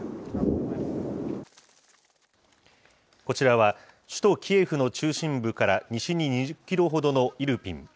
こちらは、首都キエフの中心部から西に２０キロほどのイルピン。